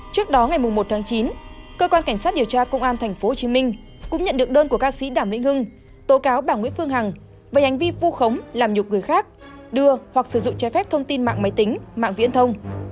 trước đó ngày một tháng chín cơ quan cảnh sát điều tra công an tp hcm cũng nhận được đơn của ca sĩ đàm vĩnh hưng tố cáo bà nguyễn phương hằng về hành vi vu khống làm nhục người khác đưa hoặc sử dụng trái phép thông tin mạng máy tính mạng viễn thông